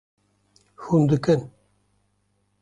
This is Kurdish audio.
Hûn dikin